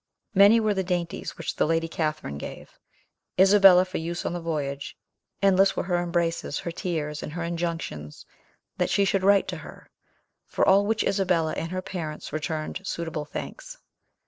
Many were the dainties which the lady Catherine gave. Isabella for use on the voyage; endless were her embraces, her tears, and her injunctions that she should write to her; for all which Isabella and her parents returned suitable thanks.